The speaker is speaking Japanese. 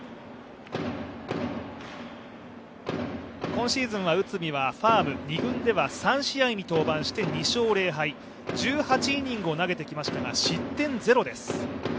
今シーズンは内海はファーム、２軍では３試合に登板して２勝１敗１８イニングを投げてきましたが、失点０です。